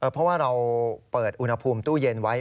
เพราะว่าเราเปิดอุณหภูมิตู้เย็นไว้